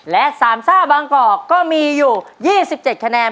และสามซ่าบางกอกก็มีอยู่ยี่สิบเจ็ดคะแนน